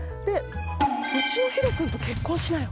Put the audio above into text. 「うちのひろ君と結婚しなよ！」